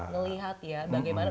ngelihat ya bagaimana